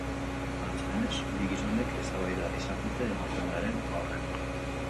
Antza denez, bi gizonek eztabaida izan dute emakumearen aurrean.